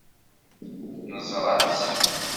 Neẓra-tt.